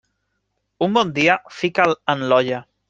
Un bon dia, fica'l en l'olla.